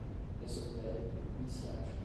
Esotérico, iniciático